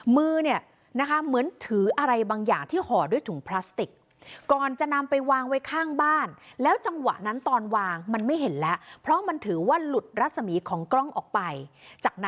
มือเหมือนถืออะไรบางอย่างที่หอดของถุงพลาสติก